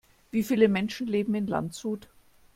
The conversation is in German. Wie viele Menschen leben in Landshut?